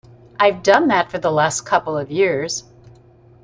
I've done that for the last couple of years.